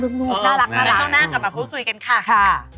เดี๋ยวช่วงหน้ากลับมาพูดคุยกันค่ะ